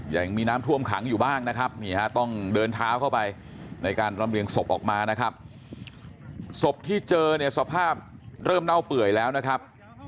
ยังมีน้ำท่วมขังอยู่บ้างนะครับนี่ฮะต้องเดินเท้าเข้าไปในการลำเรียงศพออกมานะครับศพที่เจอเนี่ยสภาพเริ่มเน่าเปื่อยแล้วนะครับ